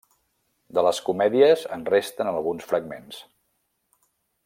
De les comèdies en resten alguns fragments.